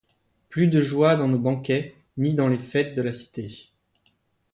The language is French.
Plus de joie dans nos banquets, ni dans les fêtes de la cité.